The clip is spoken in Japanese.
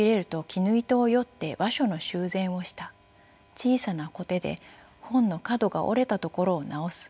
小さなこてで本の角が折れたところを直す。